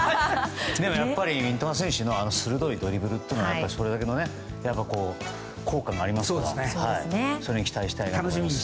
やっぱり三笘選手の鋭いドリブルというのはそれだけの効果がありますからそれに期待したいなと思います。